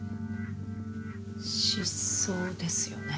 失踪ですよね。